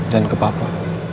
dan ke papa